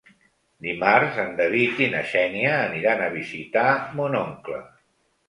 Dimarts en David i na Xènia aniran a visitar mon oncle.